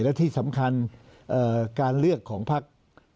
และที่สำคัญการเลือกของพัก